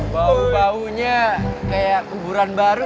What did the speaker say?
baunya kayak kuburan baru